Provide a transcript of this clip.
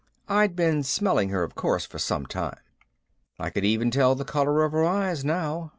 I'd been smelling her, of course, for some time. I could even tell the color of her eyes now.